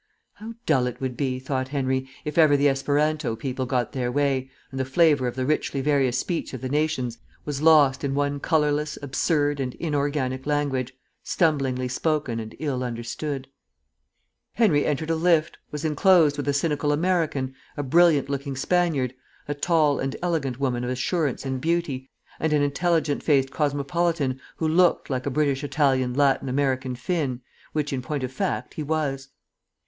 How dull it would be, thought Henry, if ever the Esperanto people got their way, and the flavour of the richly various speech of the nations was lost in one colourless, absurd and inorganic language, stumblingly spoken and ill understood. Henry entered a lift, was enclosed with a cynical American, a brilliant looking Spaniard, a tall and elegant woman of assurance and beauty, and an intelligent faced cosmopolitan who looked like a British Italian Latin American Finn, which, in point of fact, he was.